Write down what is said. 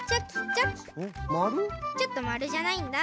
ちょっとまるじゃないんだ。